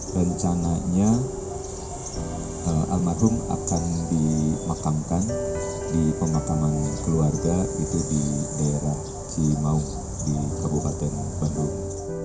rencananya almarhum akan dimakamkan di pemakaman keluarga di daerah cimaung di kabupaten bandung